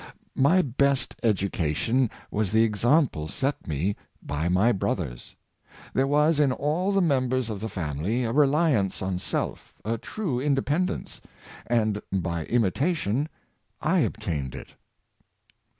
My best education was the example set me by my brothers. There was, in all the members of the 122 The Foi'ce of Imitatio7i. family, a reliance on self, a true independence, and by imitation I obtained it."